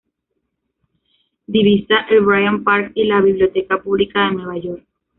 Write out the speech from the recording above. Divisa el Bryant Park y la Biblioteca Pública de Nueva York.